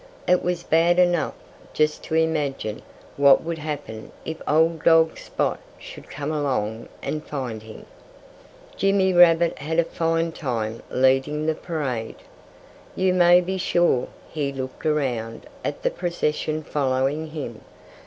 It was bad enough, just to imagine what would happen if old dog Spot should come along and find him. Jimmy Rabbit had a fine time leading the parade. You may be sure he looked around at the procession following him.